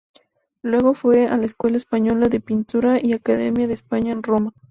Luego fue a la Escuela Española de Pintura o Academia de España en Roma.